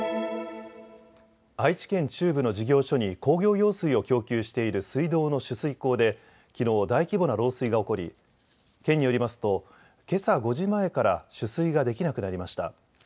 愛知県中部の事業所に工業用水を供給している水道の取水口できのう大規模な漏水が起こり県によりますとけさ５時前から取水ができなくなりました。